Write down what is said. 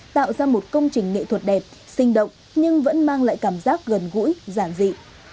tạo ra một công trình nghệ thuật đẹp sinh động nhưng vẫn mang lại cảm giác gần gũi giản dị